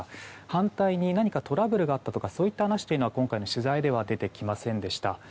反対に、何かトラブルがあったとかの話は今回の取材では出てきませんでした。